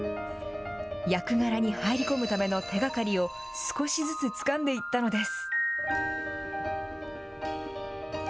役柄に入り込むための手がかりを少しずつつかんでいったのです。